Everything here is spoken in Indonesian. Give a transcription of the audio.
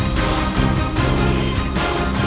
aku sudah menemukan siliwangi